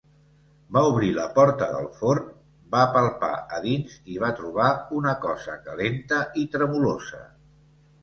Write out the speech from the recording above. Va obrir la porta del forn, va palpar a dins, i hi va trobar una cosa calenta i tremolosa.